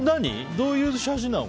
どういう写真なの？